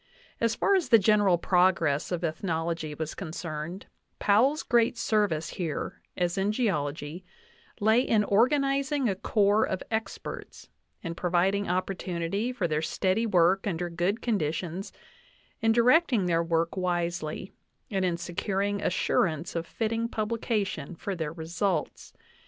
As far as the general progress of ethnology was concerned, Powell's great service here, as in geology, lay in organizing a corps of experts, in providing opportunity for their steady work under good conditions, in directing their work wisely, and in securing assurance of fitting publication for their re s^ suits.